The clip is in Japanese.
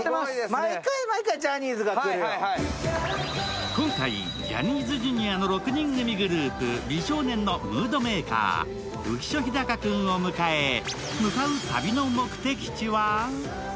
毎回、毎回ジャニーズが来る今回、ジャニーズＪｒ．の６人組グループ、美少年のムードメーカー、浮所飛貴君を迎え、向かう旅の目的地は？